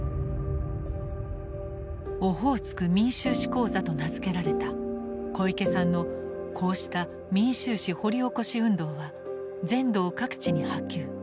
「オホーツク民衆史講座」と名付けられた小池さんのこうした民衆史掘り起こし運動は全道各地に波及。